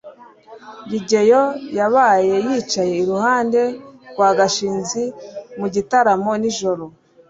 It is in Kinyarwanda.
rugeyo yabaye yicaye iruhande rwa gashinzi mu gitaramo nijoro